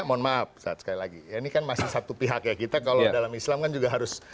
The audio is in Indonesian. mohon maaf saat sekali lagi ini kan masih satu pihak ya kita kalau dalam islam kan juga harus